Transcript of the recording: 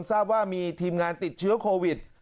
ทราบว่ามีทีมงานติดเชื้อโควิด